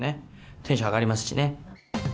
テンション上がりますしね。